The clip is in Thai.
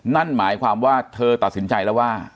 นั่นหมายความว่าเธอตัดสินใจแล้วว่า